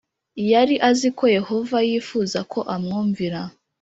Yari azi ko Yehova yifuza ko amwumvira